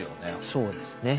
そうですね。